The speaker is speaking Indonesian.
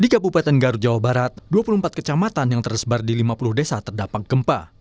di kabupaten garut jawa barat dua puluh empat kecamatan yang tersebar di lima puluh desa terdampak gempa